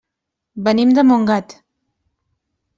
Venim de Montgat.